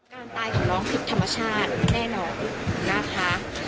การตายของน้องผิดธรรมชาติแน่นอนนะคะ